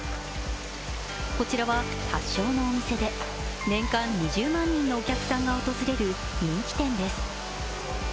こちらは発祥のお店で、年間２０万人のお客さんが訪れる人気店です。